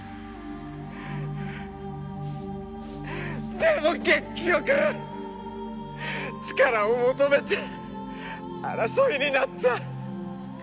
でも結局力を求めて争いになった。